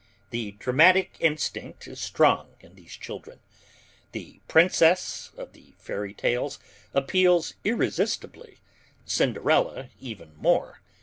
The dramatic instinct is strong in these children. The "princess" of the fairy tales appeals irresistibly, Cinderella even more.